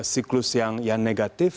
siklus yang negatif